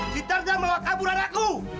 kita udah mau kabur anakku